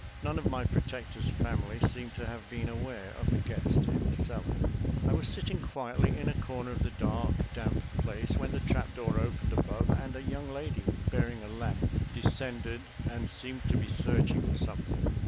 None of my protector's family seemed to have been aware of the guest in the cellar. I was sitting quietly in a corner of the dark, damp place when the trap door opened above and a young lady, bearing a lamp, descended and seemed to be searching for something.